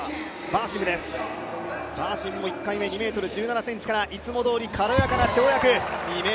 バーシムも１回目、２ｍ１７ｃｍからいつもどおり軽やかな跳躍。